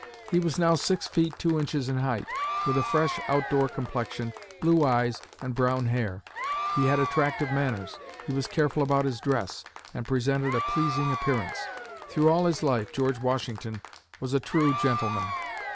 He was now six feet, two inches in height, with a fresh, out door complexion, blue eyes and brown hair. He had attractive manners, he was careful about his dress, and presented a pleasing appearance. Through all his life, George Washington was a true gentleman.